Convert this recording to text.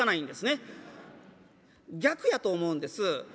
逆やと思うんです。